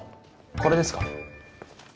これですか？